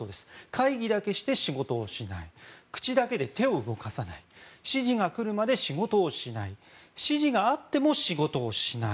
会議だけして仕事をしない口だけで手を動かさない指示が来るまで仕事をしない指示があっても仕事をしない